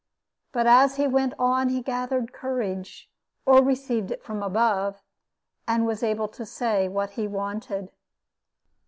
But as he went on he gathered courage, or received it from above, and was able to say what he wanted.